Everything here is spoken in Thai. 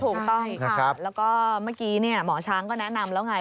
ถูกต้องค่ะแล้วก็เมื่อกี้หมอช้างก็แนะนำแล้วไง